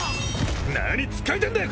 何つっかえてんだよ！